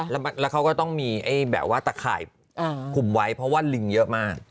แล้วเขาก็ต้องมีแบบว่าตะข่ายคุมไว้เพราะว่าลิงเยอะมาก